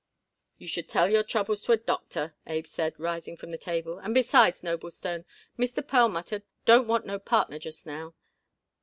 "You should tell your troubles to a doctor," Abe said, rising from the table. "And besides, Noblestone, Mr. Perlmutter don't want no partner just now."